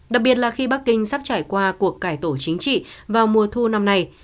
nhiệt là khi bắc kinh sắp trải qua cuộc cải tổ chính trị vào mùa thu năm nay